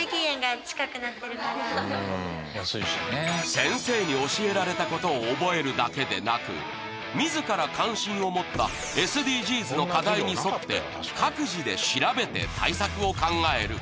先生に教えられたことを覚えるだけでなく自ら関心を持ったＳＤＧｓの課題に沿って各自で調べて対策を考える。